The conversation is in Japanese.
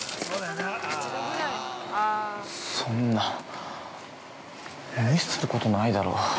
そんな無視することないだろう。